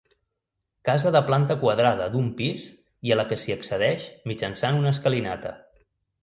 Casa de planta quadrada d'un pis i a la que s'hi accedeix mitjançant una escalinata.